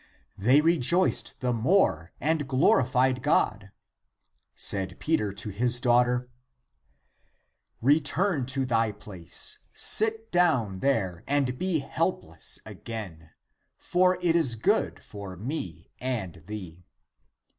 They rejoiced the more and glorified God. Said (p. 131) Peter to his daughter, " Return to thy place, sit down there, and be help less again, for it is good for me and thee."